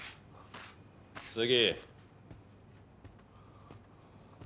次。